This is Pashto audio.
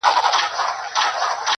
• بزګر وویل که سترګي یې بینا وي -